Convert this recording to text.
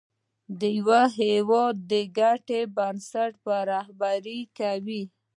د یو هېواد د ګټو پر بنسټ رهبري کوي.